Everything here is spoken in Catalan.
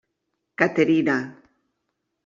Caterina.